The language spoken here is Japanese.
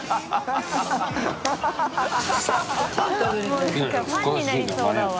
もうなんかファンになりそうだわ。